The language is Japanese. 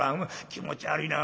気持ち悪いな。